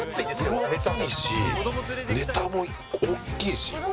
分厚いしネタも大きいし。